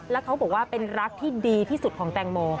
แล้วเขาบอกว่าเป็นรักที่ดีที่สุดของแตงโม